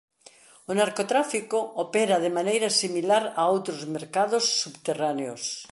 O narcotráfico opera de maneira similar a outros mercados subterráneos.